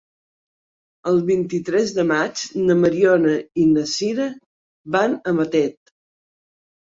El vint-i-tres de maig na Mariona i na Sira van a Matet.